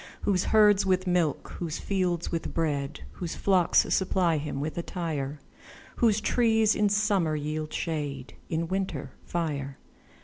Whose herds with milk, whose fields with bread, Whose flocks supply him with attire; Whose trees in summer yield shade, In winter, fire.